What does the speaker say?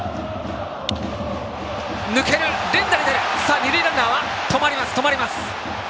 二塁ランナー止まります。